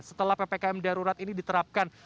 setelah ppkm darurat ini diterapkan